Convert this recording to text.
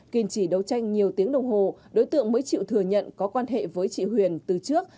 kiên trì đấu tranh nhiều tiếng đồng hồ đối tượng mới chịu thừa nhận có quan hệ với chị huyền từ trước